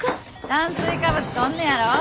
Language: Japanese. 炭水化物とんねやろ